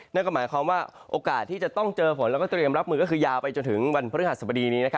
นั่นก็หมายความว่าโอกาสที่จะต้องเจอฝนแล้วก็เตรียมรับมือก็คือยาวไปจนถึงวันพฤหัสบดีนี้